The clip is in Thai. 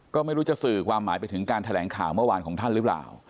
ก็ไม่รู้จะสื่อความหมายไปถึงการแถลงข่าวเมื่อวานของท่านหรือเปล่า